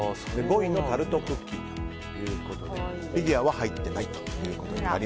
５位がタルトクッキーということでフィギュアは入っていないということです。